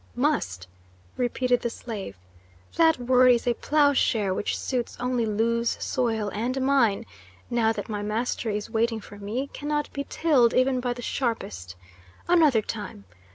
"Must!" repeated the slave. "That word is a ploughshare which suits only loose soil, and mine, now that my master is waiting for me, can not be tilled even by the sharpest. Another time!